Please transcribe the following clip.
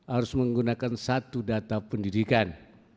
harus menggunakan satu data pendidikan